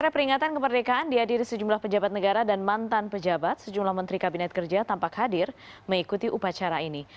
peringatan kemerdekaan dihadiri sejumlah pejabat negara dan mantan pejabat sejumlah menteri kabinet kerja tampak hadir mengikuti upacara ini